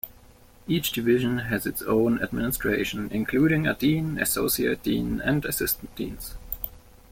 Each division has its own administration, including a dean, associate dean, and assistant deans.